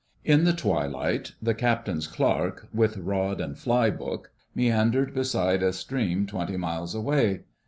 In the twilight, the Captain's Clerk, with rod and fly book, meandered beside a stream twenty miles away.